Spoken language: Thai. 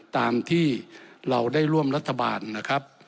ตามที่เราได้ร่วมรัฐบาลนะครับ